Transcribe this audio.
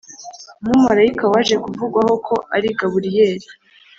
umumarayika waje kuvugwaho ko ari gaburiyeli,